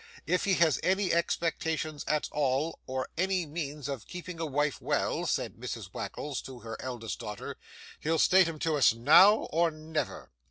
'If he has any expectations at all or any means of keeping a wife well,' said Mrs Wackles to her eldest daughter, 'he'll state 'em to us now or never.